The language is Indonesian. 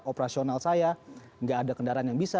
operasional saya nggak ada kendaraan yang bisa